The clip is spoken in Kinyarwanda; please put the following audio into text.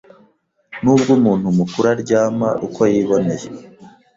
Nubwo umuntu mukuru aryama uko yiboneye